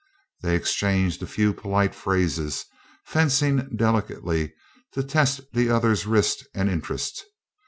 They exchanged a few polite phrases, fencing delicately to test the other's wrist and interest.